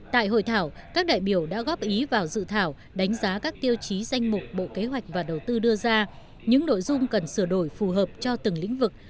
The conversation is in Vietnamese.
tại hội thảo các đại biểu đã góp ý vào dự thảo đánh giá các tiêu chí danh mục bộ kế hoạch và đầu tư đưa ra những nội dung cần sửa đổi phù hợp cho từng lĩnh vực